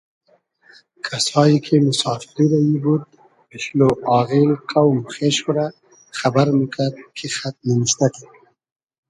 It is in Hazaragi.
کئسایی کی موسافیری رئیی بود پېشلۉ آغیل قۆم و خېش خو خئبئر موکئد کی خئد نیمشتۂ کین